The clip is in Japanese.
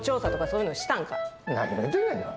何を言うてんねんな。